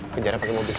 kejar dia pakai mobil